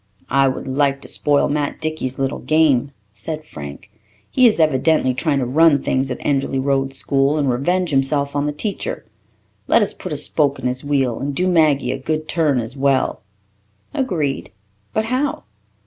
"I would like to spoil Matt Dickey's little game," said Frank. "He is evidently trying to run things at Enderly Road school and revenge himself on the teacher. Let us put a spoke in his wheel and do Maggie a good turn as well." "Agreed. But how?"